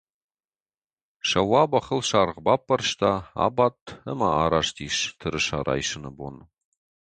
Сӕуа бӕхыл саргъ баппӕрста, абадт ӕмӕ араст ис тырыса райсыны бон.